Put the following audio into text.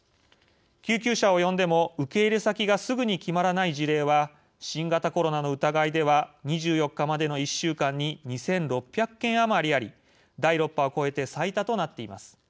救急車を呼んでも受け入れ先がすぐに決まらない事例は新型コロナの疑いでは２４日までの１週間に２，６００件余りあり第６波を超えて最多となっています。